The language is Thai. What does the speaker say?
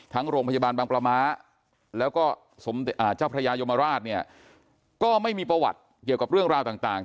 โรงพยาบาลบางประม้าแล้วก็เจ้าพระยายมราชเนี่ยก็ไม่มีประวัติเกี่ยวกับเรื่องราวต่าง